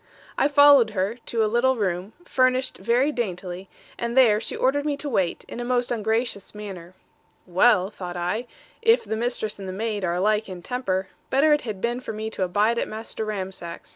I followed her to a little room, furnished very daintily; and there she ordered me to wait, in a most ungracious manner. 'Well,' thought I, 'if the mistress and the maid are alike in temper, better it had been for me to abide at Master Ramsack's.'